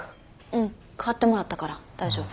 うん代わってもらったから大丈夫。